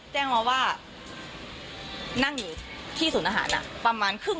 ถึง